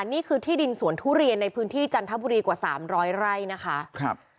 นี่คือที่ดินสวนทุเรียนในพื้นที่จันทบุรีกว่าสามร้อยไร่นะคะครับ